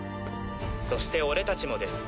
そして俺達もです！